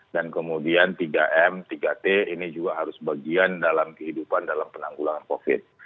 dan kemudian tiga m tiga t ini juga harus bagian dalam kehidupan dalam penanggulangan covid